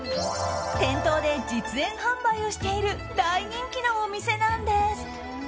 店頭で実演販売をしている大人気のお店なんです。